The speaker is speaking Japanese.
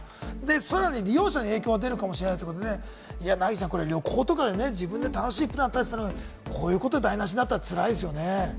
さらに利用者に影響が出るかもしれないってことでね、凪ちゃん、旅行とかで自分で楽しいプラン立てたのに、こういうことで台無しになったらつらいですよね。